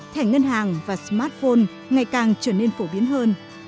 thẻ ngân hàng và smartphone ngày càng trở nên phổ biến hơn